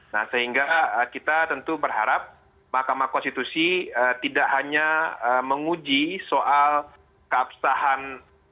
nah sehingga kita tentu berharap mahkamah konstitusi tidak hanya menguji soal keabsahan